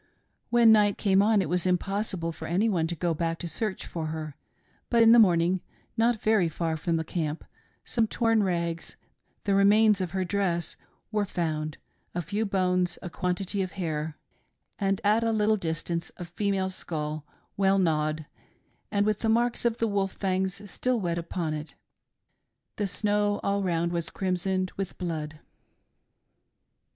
When night came on it was impossible for any one to go back to search for her, but, in the morning, not very far from the camp, some torn rags — the remains of her dress— pwere found, a few bones, a quantity of hair, and at a little distance a female skull, well gnawed, and with the marks of the wolf fangs still wet upon it ;— the snow all round was crimsoned with blood.